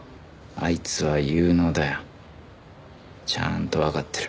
あいつは有能だよ。ちゃんとわかってる。